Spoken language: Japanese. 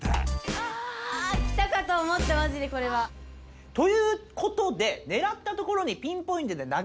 あきたかと思ったマジでこれは！ということでねらったところにピンポイントで投げるためのですね